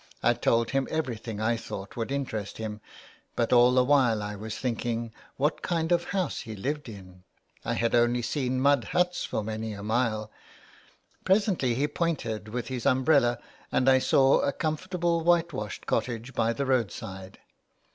I told him everything I thought would interest him, but all the while I was thinking what kind of house he lived in ; I had only seen mud huts for many a mile ; presently he pointed with his umbrella and I saw a comfortable whitewashed cottage by the roadside.